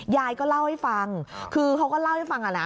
ยายก็เล่าให้ฟังคือเขาก็เล่าให้ฟังอะนะ